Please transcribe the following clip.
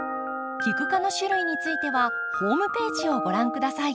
キク科の種類についてはホームページをご覧下さい。